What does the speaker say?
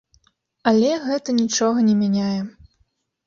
Але гэта нічога не мяняе.